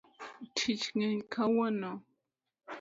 Tich ng'eny kawuono